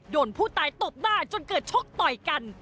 ผู้ตายตบหน้าจนเกิดชกต่อยกัน